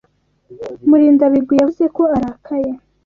Murindabigwi yavuze ko arakaye.